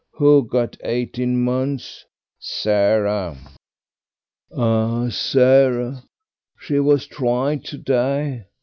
"Who got eighteen months?" "Sarah." "Ah, Sarah. She was tried to day.